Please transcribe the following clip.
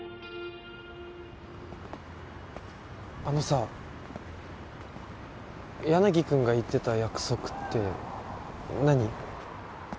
あのさ柳くんが言ってた約束って何？